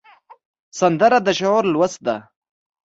سندره د شعور لوست ده